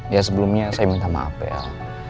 ya sebelumnya saya minta maaf ya